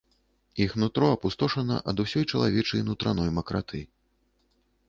Іх нутро апустошана ад усёй чалавечай нутраной макраты.